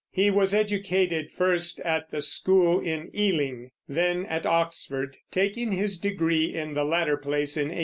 He was educated first at the school in Ealing, then at Oxford, taking his degree in the latter place in 1820.